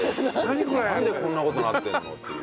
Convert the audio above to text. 「なんでこんな事になってんの！？」っていう。